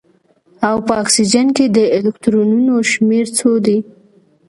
او په اکسیجن کې د الکترونونو شمیر څو دی